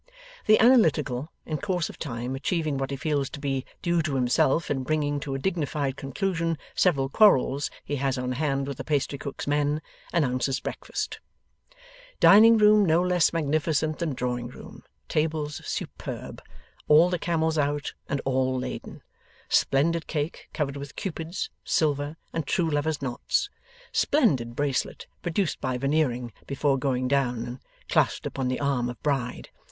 The Analytical, in course of time achieving what he feels to be due to himself in bringing to a dignified conclusion several quarrels he has on hand with the pastrycook's men, announces breakfast. Dining room no less magnificent than drawing room; tables superb; all the camels out, and all laden. Splendid cake, covered with Cupids, silver, and true lovers' knots. Splendid bracelet, produced by Veneering before going down, and clasped upon the arm of bride.